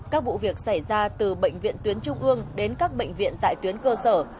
các vụ việc xảy ra từ bệnh viện tuyến trung ương đến các bệnh viện tại tuyến cơ sở